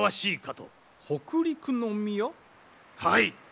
はい！